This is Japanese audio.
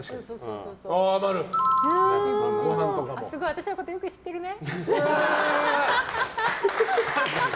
すごい、私のことよく知ってるね。